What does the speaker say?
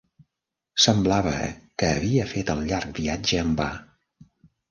Semblava que havia fet el llarg viatge en va.